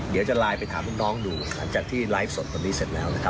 เดี๋ยวจะไลน์ไปถามลูกน้องดูหลังจากที่ไลฟ์สดคนนี้เสร็จแล้วนะครับ